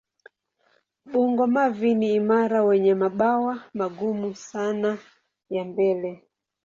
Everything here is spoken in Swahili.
Bungo-mavi ni imara wenye mabawa magumu sana ya mbele.